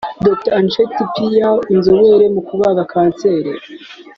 Dr Ajit Pai inzobere mu kubaga Kanseri